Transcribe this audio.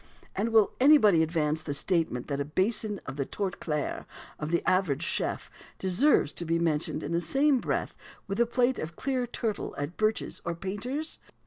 And will anybody advance the statement that a basin of the tortue claire of the average chef deserves to be mentioned in the same breath with a plate of clear turtle at Birch's or Painter's?